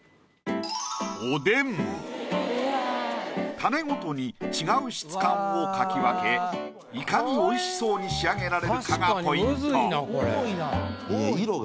種ごとに違う質感を描き分けいかに美味しそうに仕上げられるかがポイント。